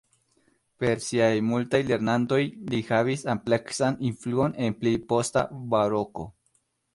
Per siaj multaj lernantoj, li havis ampleksan influon en pli posta Baroko.